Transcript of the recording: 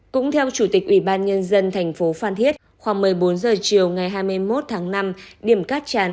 cũng theo chủ tịch ubnd tp phan thiết khoảng một mươi bốn h chiều ngày hai mươi một tháng năm